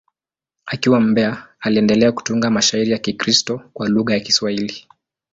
Akiwa Mbeya, aliendelea kutunga mashairi ya Kikristo kwa lugha ya Kiswahili.